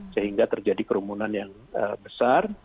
sehingga terjadi kerumunan yang besar